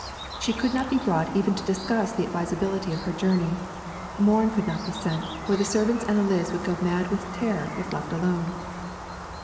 She could not be brought even to discuss the advisability of her journey; Morin could not be sent, for the servants and Eliz would go mad with terror if left alone.